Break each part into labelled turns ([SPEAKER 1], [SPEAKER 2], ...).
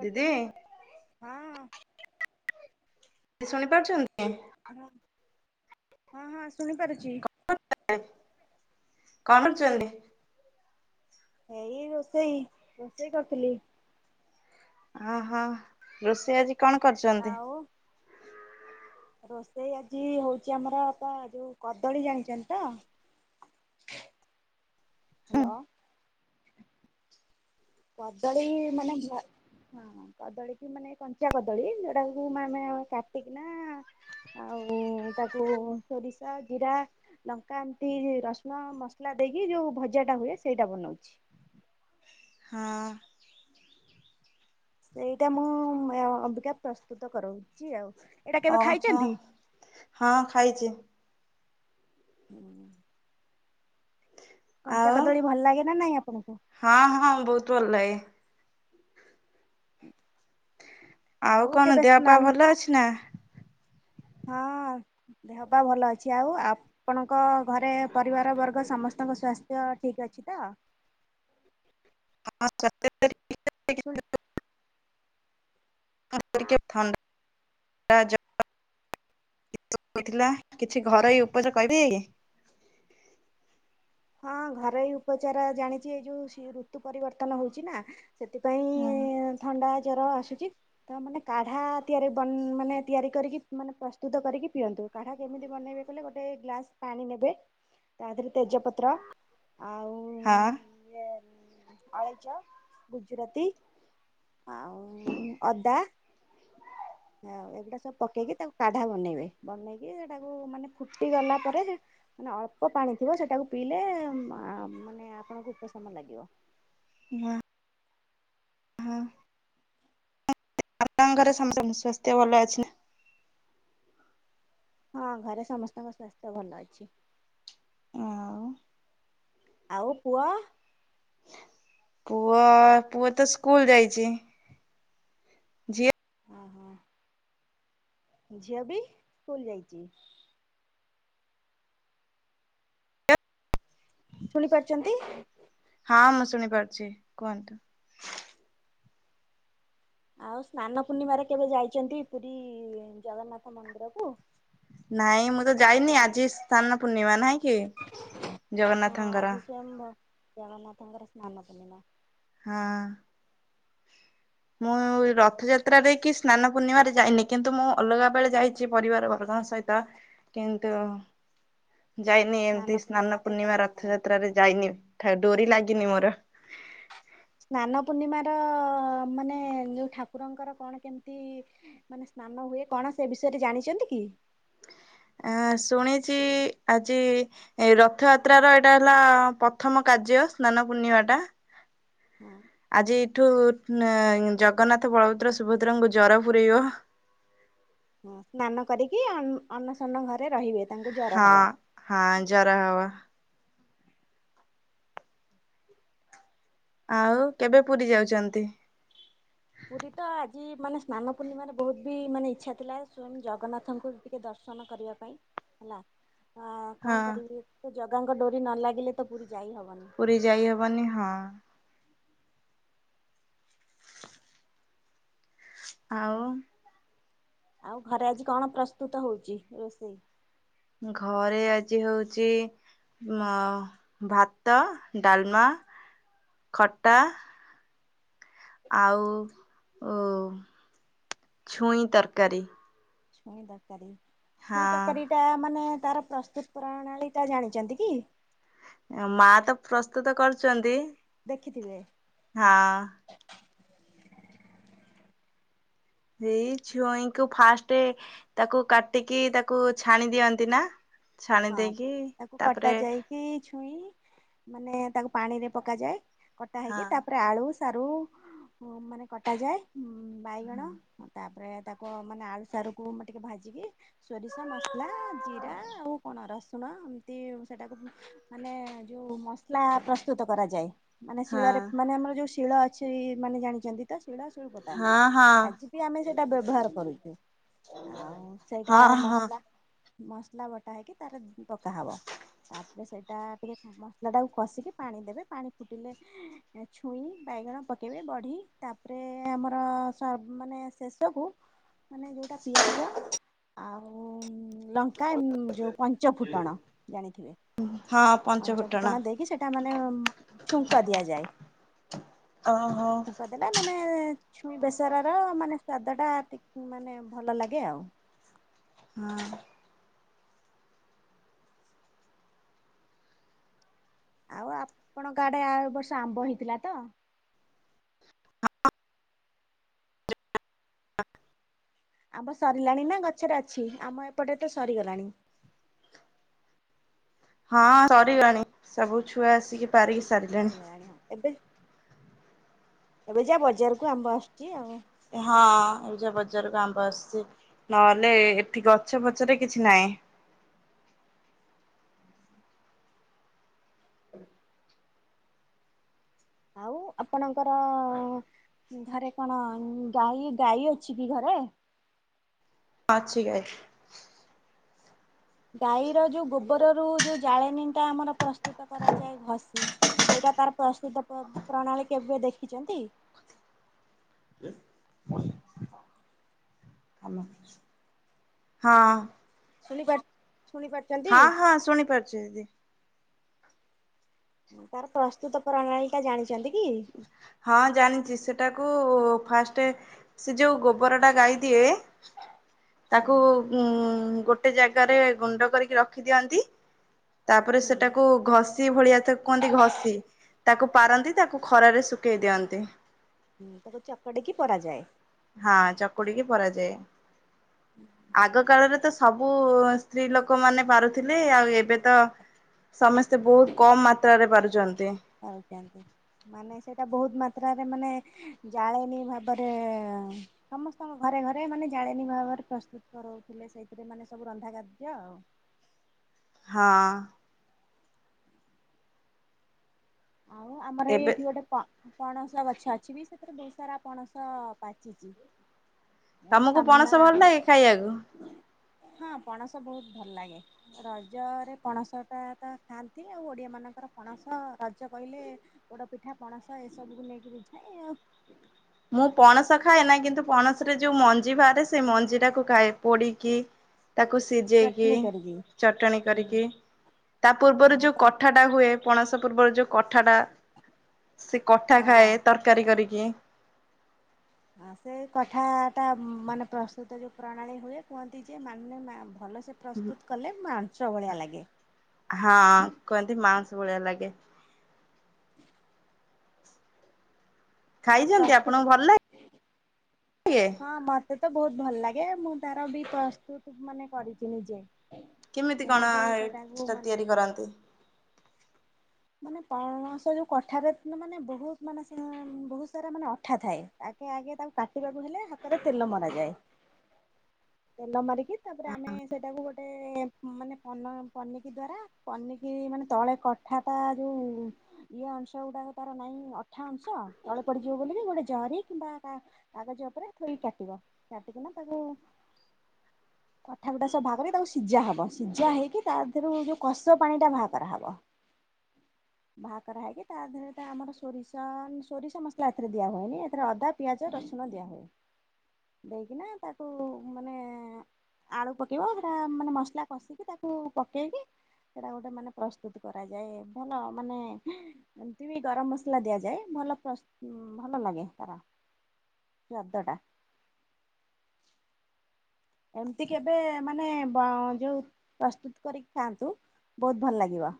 [SPEAKER 1] ଦିଦି
[SPEAKER 2] ହଁ।
[SPEAKER 1] ଶୁଣି ପାରୁଚନ୍ତି?
[SPEAKER 2] ହଁ ହଁ ଶୁଣିପାରୁଚି।
[SPEAKER 1] କଁ ଡୁ ଚୁଏନ୍ତି?
[SPEAKER 2] ଏଇ ରୋଷେଇ ରୋଷେଇ କରୁଥିଲି।
[SPEAKER 1] ଅ ହଁ ରୋଷେଇ ଆଜି କଣ କରିଛନ୍ତି?
[SPEAKER 2] ଆଉ ରୋଷେଇ ଆଜି ହୋଉଚି ଆମର ପା ଯୋଉ କଦଳୀ ଜାଣିଚନ୍ତି ତ? ହ୍ୟାଲୋ। କଦଳୀ ମାନେ ଭା ହଁ କଦଳୀ କି ମାନେ କଞ୍ଚା କଦଳୀ ଯୋଉଟାକୁ ଆମେ କାଟିକିନା ଆଉ ତାକୁ ଶୋରିଷ, ଜିରା, ଲଙ୍କା ଏମିତି ରସୁଣ ମସଲା ଦେଇକି ଯୋଉ ଭଜା ଟା ହୁଏ ସେଇଟା ବନାଉଛି।
[SPEAKER 1] ହଁ।
[SPEAKER 2] ସେଇଟା ମୁଁ ଅବିକା ପ୍ରସ୍ତୁତ କରଉଚି ଆଉ। ଏଇଟା
[SPEAKER 1] ଓ
[SPEAKER 2] କେବେ
[SPEAKER 1] ହୋ
[SPEAKER 2] ଖାଇଛନ୍ତି?
[SPEAKER 1] ହଁ ଖାଇଚି।
[SPEAKER 2] ହୁଁ
[SPEAKER 1] ଆଉ
[SPEAKER 2] ଭଲ ଲାଗେ ନା ନାଇଁ ଆପଣଙ୍କୁ?
[SPEAKER 1] ହଁ ହଁ ବହୁତ୍ ଭଲ ଲାଗେ। ଆଉ କଣ
[SPEAKER 2] କେବେ
[SPEAKER 1] ଦେହପା
[SPEAKER 2] ସ୍ନାନ
[SPEAKER 1] ଭଲ ଅଛି ନା?
[SPEAKER 2] ହଁ ଦେହ ପା ଭଲ ଅଛି ଆଉ ଆପଣଙ୍କ ଘରେ? ପରିବାର ବର୍ଗ ସମସ୍ତଙ୍କ ସ୍ୱାସ୍ଥ୍ୟ ଠିକ୍ ଅଛି ତ?
[SPEAKER 1] [unintelligible]
[SPEAKER 2] ଶୁଣେ।
[SPEAKER 1] [unintelligible] ଥଣ୍ଡା ଜର। [unintelligible] ଥିଲା କିଛି ଘରୋଇ ଉପଚାର କହିବି।
[SPEAKER 2] ହଁ ଘରୋଇ ଉପଚାର ଜାଣିଚି ଏଇ ଯୋଉ ଋତୁ ପରିବର୍ତ୍ତନ ହଉଚି ନା।
[SPEAKER 1] ହଁ
[SPEAKER 2] ସେଥିପାଇଁ ଥଣ୍ଡା ର ଆସୁଚି ତ ମାନେ କାଢା ତିଆରି ମାନେ ତିଆରି କରିକି ମାନେ ପ୍ରସ୍ତୁତ କରିକି ପିଅନ୍ତୁ। କାଢା କେମିତି ବନେଇବେ କହିଲେ ଗୋଟେ ଗ୍ଲାସ ପାଣି ନେବେ ତା ଦେହରେ ତେଜ ର ଆଉ
[SPEAKER 1] ହଁ
[SPEAKER 2] ଅଳେଇଚ, ଗୁଜୁରାତି। ଆଉ ଅଦା
[SPEAKER 1] [unintelligible]
[SPEAKER 2] ଆଉ ଏଗୁଡା଼ ସବୁ ପକେଇକି ତାକୁ କାଢା ବନେଇବେ ବନେଇକି ତାକୁ ମାନେ ଫୁଟି ଗଲା ପରେ ମାନେ ଅଳ୍ପ ପାଣି ଥିବ ସେଟାକୁ ପିଇଲେ ଆ ମାନେ ଆପଣଙ୍କୁ ଉପଶମ ଲାଗିବ।
[SPEAKER 1] ହୁଁ। ହୁଁ [unintelligible] ସ୍ୱାସ୍ଥ୍ୟ ଭଲ ଅଛି ନା?
[SPEAKER 2] ହଁ ଘରେ ସମସ୍ତଙ୍କ ସ୍ୱାସ୍ଥ୍ୟ ଭଲ ଅଛି।
[SPEAKER 1] ଆଉ
[SPEAKER 2] ଆଉ ପୁଅ
[SPEAKER 1] ପୁଅ ପୁଅ ତ ସ୍କୁଲ୍ ଯାଇଚି।
[SPEAKER 2] ଓ ହୋ। ଝିଅ ବି ସ୍କୁଲ୍ ଯାଇଚି। ଶୁଣି ପାରୁଚନ୍ତି।
[SPEAKER 1] ହଁ ମୁଁ ଶୁଣି ପାରୁଚି କୁହନ୍ତୁ।
[SPEAKER 2] ଆଉ ସ୍ନାନ ପୂର୍ଣ୍ଣିମାରେ କେବେ ଯାଇଚନ୍ତି ପୁରୀ ଜଗନ୍ନାଥ ମନ୍ଦିର କୁ?
[SPEAKER 1] ନାଇଁ ମୁଁ ତ ଯାଇନି ଆଜି ସ୍ଥାନ ପୂର୍ଣ୍ଣିମା ନାଇଁ କି?
[SPEAKER 2] ହଁ
[SPEAKER 1] ଜଗନ୍ନାଥଙ୍କର।
[SPEAKER 2] ଆଜି ସ୍ଵୟଂ ଜଗନ୍ନାଥଙ୍କର ସ୍ନାନ ପୂର୍ଣ୍ଣିମା।
[SPEAKER 1] ହଁ। ମୁଁ ରଥଯାତ୍ରାରେ କି ସ୍ନାନ ପୂର୍ଣ୍ଣିମାରେ ଯାଇନି କିନ୍ତୁ ମୁଁ ଅଲଗା ବେଳେ ଯାଇଚି ପରିବାର ବର୍ଗ ଙ୍କ ସହିତ କିନ୍ତୁ ଯାଇନି ଏମିତି ସ୍ନାନ
[SPEAKER 2] ପୂର୍ଣ୍ଣିମାରେ
[SPEAKER 1] ପୂର୍ଣ୍ଣିମା
[SPEAKER 2] ଯାଇନାହାନ୍ତି।
[SPEAKER 1] ରଥଯାତ୍ରାରେ ଯାଇନି ଠା ଡୋରି ଲାଗିନି ମୋର। [inaudible]
[SPEAKER 2] ସ୍ନାନ ପୂର୍ଣ୍ଣିମା ର ମାନେ ଯୋଉ ଠାକୁରଙ୍କର କଣ କେମିତି ମାନେ ସ୍ନା ହୁଏ କଣ ସେ ବିଷୟରେ ଜାଣିଚନ୍ତି କି?
[SPEAKER 1] [inaudible] ଆ ଶୁଣିଚି ଆଜି ଏ ରଥଯାତ୍ରାର ଏଇଟା ହେଲା ପ୍ରଥମ କା କାର୍ଯ୍ୟ ସ୍ନାନ ପୂର୍ଣ୍ଣିମା ଟା।
[SPEAKER 2] ହଁ
[SPEAKER 1] ଆଜି ଏଇଠୁ-ଜଗନ୍ନାଥ, ବଳଭଦ୍ର, ସୁଭଦ୍ରାଙ୍କୁ ଜର ପୂୁରଇବ। ଏ
[SPEAKER 2] ହଁ ସ୍ନାନ କରିକି, ଅ-ଅନ୍ନସନ୍ନ ଘରେ ରହିବେ। ତାଙ୍କୁ ଜର
[SPEAKER 1] ହଁ,
[SPEAKER 2] ହବ।
[SPEAKER 1] ହଁ। ଜର ହବ। ଆଉ କେବେ ପୁରୀ ଯାଉଛନ୍ତି?
[SPEAKER 2] ପୁରୀ ତ ଆଜି ମାନେ, ସ୍ନାନ ପୂର୍ଣ୍ଣିମାରେ ବହୁତ ବି ମାନେ ଇଚ୍ଛା ଥିଲା। ସ୍ଵୟଂ ଜଗନ୍ନାଥଙ୍କୁ ଟିକେ ଦର୍ଶ ସନ, କରିବା ପାଇଁ ହେଲା। କଣ,
[SPEAKER 1] ହଁ
[SPEAKER 2] କରିବି ଜଗାଙ୍କ ଡୋରି ନ ଲାଗିଲେ ତ ପୁରୀ ଯାଇ ହବନି।
[SPEAKER 1] ପୁରୀ ଯାଇ ହବନି। ହଁ। ଆଉ।
[SPEAKER 2] ଆଉ ଘରେ ଆଜି କଣ, ପ୍ରସ୍ତୁତ ହଉଛି ରୋଷେଇ?
[SPEAKER 1] ଘରେ ଆଜି ହଉଛି ମା-ଭାତ, ଡାଲମା, ଖଟା ଆଉ, ଉ ଛୁଇଁ ତରକାରୀ।
[SPEAKER 2] ଛୁଇଁ ତରକାରୀ। ଛୁଇଁ ତରକାରୀ,
[SPEAKER 1] ହଁ
[SPEAKER 2] ଟା ମାନେ ତାର ପ୍ରସ୍ତୁତ ପ୍ରଣାଳୀଟା, ଜାଣିଛନ୍ତି କି?
[SPEAKER 1] ମା ତ ପ୍ରସ୍ତୁତ କରୁଛନ୍ତି।
[SPEAKER 2] ଦେଖିଥିବେ?
[SPEAKER 1] ହଁ ଏଇ ଛୁଇଁଙ୍କୁ, ଫାଷ୍ଟ ତାକୁ କାଟିକି, ତାକୁ ଛାଣି ଦିଅନ୍ତି ନା? ଛାଣି
[SPEAKER 2] ହଁ,
[SPEAKER 1] ଦେଇକି
[SPEAKER 2] ତାକୁ କଟା
[SPEAKER 1] ତାପରେ
[SPEAKER 2] ଯାଇକି ଛୁଇଁ ମାନେ ତାକୁ ପାଣିରେ ପକାଯାଏ। କଟା ହେଇକି,
[SPEAKER 1] ହଁ
[SPEAKER 2] ତାପରେ ଆଳୁ ସାରୁ, ମାନେ କଟାଯାଏ, ବାଇଗଣ ତା ତାପରେ, ତାକୁ ମାନେ ଆଳୁ ସାରକୁ ଟିକେ ଭାଜିକି, ସୋରିଷ ମସଲା ଜିରା ଆଉ କଣ ରସୁଣ, ଏମତି ସେଟାକୁ ମାନେ, ଯୋଉ ମସଲା ପ୍ରସ୍ତୁତ କରାଯାଏ। ମାନେ
[SPEAKER 1] ହଁ
[SPEAKER 2] ଶିଳରେ, ମାନେ ଆମର ଯୋଉ ଶିଳ ଅଛି। ମାନେ ଜାଣିଛନ୍ତି। ଶିଳ, ଶିଳୁପତା
[SPEAKER 1] ହଁ ହଁ
[SPEAKER 2] ଆଜି ବି ଆମେ ସେଇଟା ବ୍ୟବହାର କରୁଛୁ। ଆଉ ସେଇଟା
[SPEAKER 1] ହଁ ହଁ ହଁ
[SPEAKER 2] ମସଲା, ମସଲା ବଟା ହେଇକି, ତାର ପକା ହବ। ତାପରେ ସେଇଟା ଟିକେ, ମସଲା ଟାକୁ କସିକି ପାଣି ଦେବେ, ପାଣି ଫୁଟିଲେ ଛୁଇଁ, ବାଇ ବାଇଗଣ ପକେଇବେ, ବଢି ତାପରେ ଆମର ସବ-ମାନେ ଶେଷକୁ ମାନେ ଯୋଉଟା ପିଆଜ, ଆଉ ଲଙ୍କା ଏମ୍-ଯୋଉ ପଞ୍ଚ ଫୁଟଣ, ଜାଣିଥିବେ?
[SPEAKER 1] ହଁ
[SPEAKER 2] ପଞ୍ଚ
[SPEAKER 1] ପଞ୍ଚଫୁଟଣ।
[SPEAKER 2] ଫୁଟଣ ଦେଇକି ସେଟା ମାନେ ଛୁଙ୍କ ଦିଆଯାଏ।
[SPEAKER 1] ଓହୋ।
[SPEAKER 2] ଛୁଙ୍କ ଦେଲେ ମାନେ ଛୁଇଁ ବେସରର ମାନେ ସ୍ଵାଦ ଟା ଟିକେ, ମାନେ ଭଲ ଲାଗେ ଆଉ।
[SPEAKER 1] ହଁ।
[SPEAKER 2] ଆଉ, ଆପଣଙ୍କ ଗାଡେ ଏ ବର୍ଷ ଆମ୍ବ ହେଇଥିଲା ତ?
[SPEAKER 1] [unintelligible] [inaudible]
[SPEAKER 2] ଆମ୍ଭ ସରିଲାଣି ନା, ଗଛରେ ଅଛି? ଆମ ଏପଟେ ତ ସରିଗଲାଣି।
[SPEAKER 1] ହଁ ସରିଲାଣି। ସବୁ ଛୁଆ ଆସିକି ପାରିକି ସାରିଲେଣି।
[SPEAKER 2] ସରିଗଲାଣି ହଁ ଏବେ ଏବେ ଯା ବଜାରକୁ, ଆମ୍ବ ଆସୁଛି ଆଉ।
[SPEAKER 1] ହଁ ଏବେ ଯା ବଜାରକୁ ଆମ୍ବ ଆସଛି। ନହେଲେ ଏଠି ଗଛ ଫଛରେ କିଛି ନାହିଁ। [inaudible]
[SPEAKER 2] ଆଉ ଆପଣଙ୍କର ଘରେ କଣ ଗାଈ, ଗାଈ ଅଛି କି ଘରେ?
[SPEAKER 1] ଅଛି ଗାଈ।
[SPEAKER 2] ଗାଈର ଯୋଉ ଗୋବରରୁ, ଯୋଉ ଜାଳେଣୀ ଟା ଆମର ପ୍ରସ୍ତୁତ କରାଯାଏ, ଘଷି। ସେଇଟା ତାର ପ୍ରସ୍ତୁଦ୍ଧ, ପ-ପ୍ରଣାଳୀ କେବେ ଦେଖିଛନ୍ତି?
[SPEAKER 1] [inaudible] ହଁ।
[SPEAKER 2] ଶୁଣି ପାରୁଛୁ?
[SPEAKER 1] ହଁ ହଁ ଶୁଣି ପାରୁଛି ଦିଦି।
[SPEAKER 2] ତାର ପ୍ରସ୍ତୁତ ପ୍ରଣାଳି ଟା ଜାଣିଛନ୍ତି। କି?
[SPEAKER 1] ହଁ ଜାଣିଛି ସେଟାକୁ ଫାଷ୍ଟ ସେ ଯୋଉ ଗୋବର ଟା ଗାଇ। ଦିଏ ତାକୁ ଉଁ। ଗୋଟେ ଜାଗାରେ ଗୁଣ୍ଡ କରିକି ରଖିଦିଅନ୍ତି। ତାପରେ
[SPEAKER 2] ହୁଁ
[SPEAKER 1] ସେଟାକୁ ଘଷି ଭଳିଆ ତାକୁ କୁହନ୍ତି ଘଷି ତାକୁ ପାରନ୍ତି ତାକୁ। ଖରାରେ ଶୁଖେଇ ଦିଅନ୍ତି।
[SPEAKER 2] ହୁଁ ତାକୁ ଚକଡିକି ପରା ଜାଏ।
[SPEAKER 1] ହଁ ଚକୁଡିକି ପାରା ଯାଏ ଆଗ କାଳରେ ତ। ସବୁ ସ୍ତ୍ରୀ ଲୋକ ମାନେ ପାରୁଥିଲେ ଆଉ ଏବେ ତ। ସମସ୍ତେ ବହୁତ କମ୍ ମାତ୍ରରେ ପାରୁଚନ
[SPEAKER 2] ଆଉ କେଏତି ମାନେ ସେଇଟା ବହୁତ ମା ତ୍ରା ରେ ମାନେ ଜାଳେନୀ ଭାବରେ ସମସ୍ତଙ୍କ ଘରେ ଘରେ ମାନେ ଜାଳେନୀ ଭାବ ପ୍ରସ୍ତୁତ କରଉଥିଲେ ସେଇଥିରେ ମାନେ ସବୁ ରନ୍ଧା ଖାଦ୍ୟ ଆଉ।
[SPEAKER 1] ହଁ।
[SPEAKER 2] ଆଉ ଆମର ହେଇ
[SPEAKER 1] ଏବେ
[SPEAKER 2] ଏଇଠି ଗୋଟେ ପ ପଣସ ଗଛ ଅଛି ବି ସେଥିରେ ବହୁତ ସାରା ପଣସ ପାଚିଚି।
[SPEAKER 1] ତମକୁ ପଣସ ଭଲ ଲାଗେ ଖାଇଆକୁ।
[SPEAKER 2] ହଁ ପଣସ ବହୁତ ଭଲ ଲାଗେ ରଜରେ ପଣସ ଟା ତ ଖାଆନ୍ତି ଆଉ ଓଡିଆ ମାନ ଙ୍କର ପଣସ ରଜ କହିଲେ ପୋଡ ପିଠା ପଣସ ଏସବୁକୁ ନେଇକି ବୁଝାଏ ଆଉ।
[SPEAKER 1] ମୁଁ ପଣସ ଖାଏ ନା କିନ୍ତୁ ପଣସରେ ଯୋଉ ମଞ୍ଜି ବାହାରେ ସେଇ ମଞ୍ଜି ଟାକୁ ଖାଏ ପୋଡିକି। ତାକୁ ସିଯେଇକି
[SPEAKER 2] ଚଟଣି କରିକି।
[SPEAKER 1] ଚଟଣି
[SPEAKER 2] ହୁଁ
[SPEAKER 1] କରିକି ତା ପୂର୍ବରୁ
[SPEAKER 2] ହଁ
[SPEAKER 1] ଯୋଉ
[SPEAKER 2] ତା
[SPEAKER 1] କଠାଟା ହୁଏ। ପଣସ ପୂର୍ବରୁ ଯୋଉ କଠା ଟା ସେ କଠା
[SPEAKER 2] ହଁ
[SPEAKER 1] ଖାଏ ତରକାରୀ କରିକି।
[SPEAKER 2] ହଁ ସେ କଠା ଟା ମାନେ ପ୍ରସ୍ତୁତ ଯୋଉ ପ୍ରଣାଳୀ ହୁଏ କୁହନ୍ତି ଯେ ମାନେ ମା ଭଲ। ସେ ପ୍ରସ୍ତୁତ କଲେ ମାଂସ ଭଳିଆ ଲାଗେ।
[SPEAKER 1] ହଁ କୁହନ୍ତି ମାଉଁସ ଭଳିଆ ଲାଗେ।
[SPEAKER 2] ତାର
[SPEAKER 1] ଖାଇଛନ୍ତି
[SPEAKER 2] ପ୍ରସ୍ତୁତ
[SPEAKER 1] ଆପଣଙ୍କୁ ଭଲ ଲାଗ।
[SPEAKER 2] ହଁ ମତେ ତ ବହୁତ ଭଲ ଲାଗେ ମୁଁ ତାର ବି ପ୍ରସ୍ତୁତ ମାନେ କରିଛି ନିଜେ।
[SPEAKER 1] କେମିତି କଣ
[SPEAKER 2] ଏମିତି
[SPEAKER 1] ହେ
[SPEAKER 2] ସେଇଟାକୁ
[SPEAKER 1] ସେଟା
[SPEAKER 2] ମାନେ
[SPEAKER 1] ତିଆରି କରନ୍ତି।
[SPEAKER 2] ମାନେ ପଣସ ଯୋଉ କଠାରେ ମାନେ ବହୁତ ମାନେ ସେ ମ ବହୁତ ସାରା ମାନେ ଅଠା ଥାଏ ଆଗେ। ଆଗେ ତାକୁ କାଟିବାକୁ ହେଲେ ହାତରେ ତେଲ ମରା ଯାଏ। ତେଲ ମାରିକି। କି ତାପରେ ଆମେ ସେଟାକୁ ଗୋଟେ ମାନେ ପନ ପନିକି ଦ୍ଵାରା ପନିକି ମାନେ ତଳେ କଠା। ଯୋଉ ଇଏ ଅଂଶ ଗୁଡାକ ତାର ନାଇଁ ଅଠା ଅଂଶ ତଳେ ପଡିଯିବ ବୋଲିିକି ଗୋଟେ। ଜରି କିମ୍ବା କା କାଗଜ ଉପରେ ଥୋଇ କାଟିବ କାଟିକିନା ତାକୁ। କଠା ଗୁଡ଼ା ସବୁ ଭା କରି ତାକୁ ସିଜା ହବ। ସିଝା ହେଇକି ତା ଧିଅରୁ ଯୋଉ କଷ ପାଣି ଟା ଭା କରା ହବ। ଭା କରା ହେଇକି ତା ଦେହରେ ତ ଆମର ସୋରିଷ ସୋରିଷ ମସଲା ଏଥିରେ ଦିଆ ହୁଏନି ଏଥିରେ ଅଦା ପିଆଜ ର ସୁଣ ଦିଆହୁଏ ଦେଇକିନା ତାକୁ ମାନେ। ଆଳୁ ପକେଇବ ସେଟା ମାନେ ମସଲା କଷିକି ତାକୁ ପକେଇକି। ସେଇଟା ଗୋଟେ ମାନେ ପ୍ରସ୍ତୁତ କରାଯାଏ। ଭଲ ମାନେ ଏମତି ବି ଗରମ ମସଲା ଦିଆଯାଏ ଭଲ ପ୍ରସ୍ ଭଲ ଲାଗେ ତାର। ସ୍ଵାଦ ଟା। ଏମିତି କେବେ ମାନେ ବ ଯୋଉ ପ୍ରସ୍ତୁତ କରିକି ଖାଆନ୍ତୁ। ବହୁତ ଭଲ ଲାଗିବ।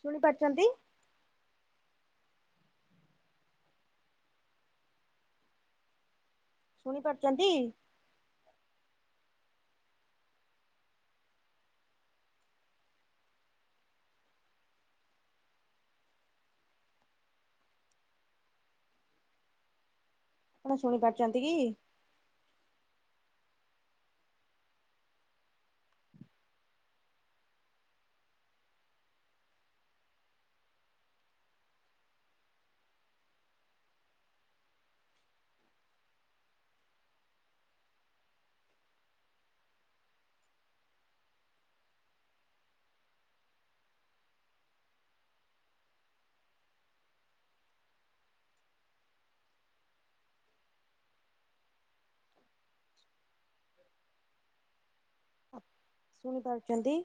[SPEAKER 2] ଶୁଣିପାରୁିଚନ୍ତି। ଶୁଣି ପାରୁଛନ୍ତି! ଆପଣ ଶୁଣିପାରୁଛନ୍ତି କି? ଶୁଣିପାରୁଚନ୍ତି!